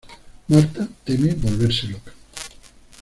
Marta teme volverse loca.